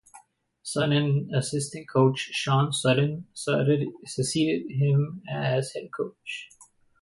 Son and assistant coach Sean Sutton succeeded him as head coach.